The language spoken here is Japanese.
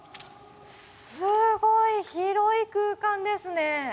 すごい広い空間ですね。